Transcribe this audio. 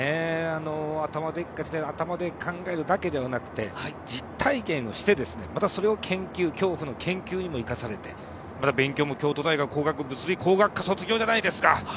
頭でっかちで頭で考えるだけではなくて実体験をして、それを競歩の研究にも生かされてまた勉強も京都大学物理学科卒業じゃないですか。